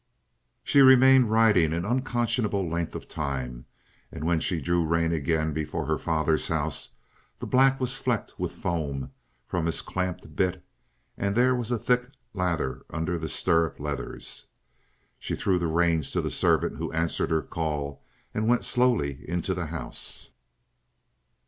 She remained riding an unconscionable length of time, and when she drew rein again before her father's house, the black was flecked with foam from his clamped bit, and there was a thick lather under the stirrup leathers. She threw the reins to the servant who answered her call and went slowly into the house.